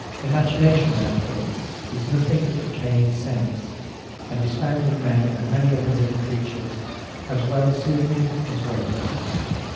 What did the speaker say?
Imagination therefore is nothing but Decaying Sense; and is found in men, and many other living Creatures, as well sleeping, as waking.